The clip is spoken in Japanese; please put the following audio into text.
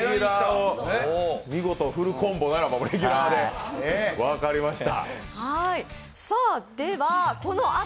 見事フルコンボならばレギュラーで、分かりました。